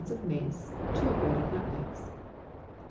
of mace. 2 grated nutmegs.